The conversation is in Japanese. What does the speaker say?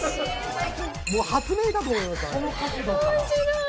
もう発明だと思いましたね。